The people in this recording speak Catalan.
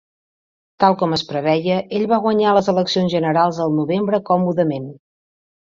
Tal com es preveia, ell va guanyar les eleccions generals al novembre còmodament.